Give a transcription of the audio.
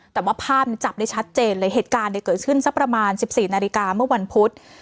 แต่ว่าภาพจับได้ชัดเจนเลยเหตุการณ์เกิดขึ้นสักประมาณ๑๔นาฬิกาเมื่อวันพุธ